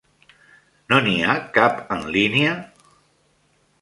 No n'hi ha cap en línia?